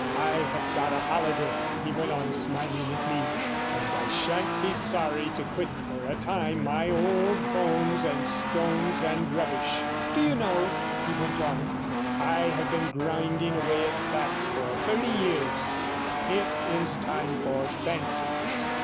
I have got a holiday,' he went on, smiling at me, 'and I shan't be sorry to be quit for a time of my old bones and stones and rubbish. Do you know,' he went on, 'I have been grinding away at facts for thirty years; it is time for fancies.'